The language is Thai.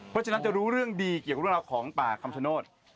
เพราะฉะนั้นจะรู้เรื่องดีเกี่ยวกับเรื่องราวของป่าคำชโนธ